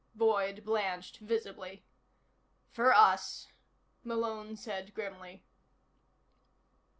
Boyd blanched visibly. "For us," Malone said grimly.